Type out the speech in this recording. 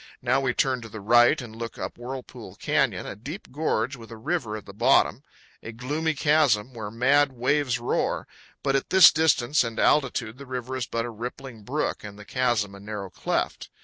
Now we turn to the right and look up Whirlpool Canyon, a deep gorge with a river at the bottom a gloomy chasm, where mad waves roar; but at this distance and altitude the river is but a rippling brook, and the chasm a narrow cleft.